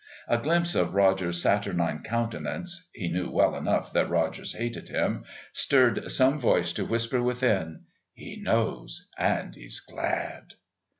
A glimpse of Rogers' saturnine countenance (he knew well enough that Rogers hated him) stirred some voice to whisper within: "He knows and he's glad."